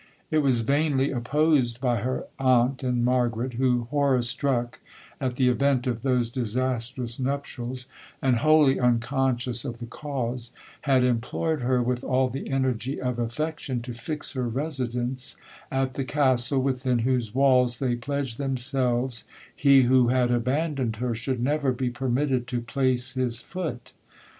It was vainly opposed by her aunt and Margaret, who, horror struck at the event of those disastrous nuptials, and wholly unconscious of the cause, had implored her, with all the energy of affection, to fix her residence at the Castle, within whose walls they pledged themselves he who had abandoned her should never be permitted to place his foot.